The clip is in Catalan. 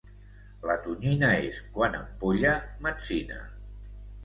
La tonyina és, quan empolla, metzina.